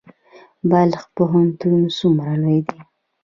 بلخ پوهنتون څومره لوی دی؟